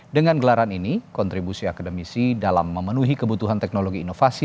dengan gelaran ini kontribusi akademisi dalam memenuhi kebutuhan teknologi inovasi